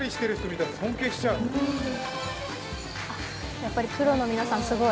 やっぱりプロの皆さん、すごい。